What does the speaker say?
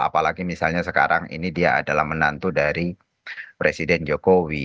apalagi misalnya sekarang ini dia adalah menantu dari presiden jokowi